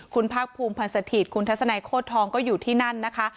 คุณภาคภูมิพันธ์สถิตคุณทัศนัยโคตรทองก็อยู่ที่นั่นนะคะ